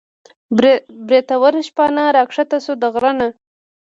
بریتور شپانه راکښته شو د غر نه